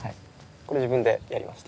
これ自分でやりました。